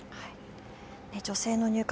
女性の入閣